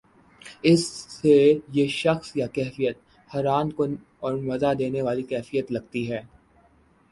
اسے یہ شخص یا کیفیت حیران کن اور مزا دینے والی لگتی ہے